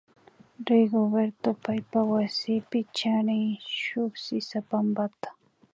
Rigoberto paypa wasipi charin shuk sisapampata